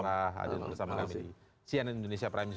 selamat datang bersama kami di cnn indonesia prime news